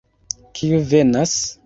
Kiu venas?